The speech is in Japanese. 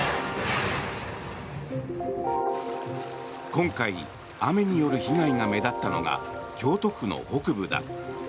今回雨による被害が目立ったのが京都府の北部だ。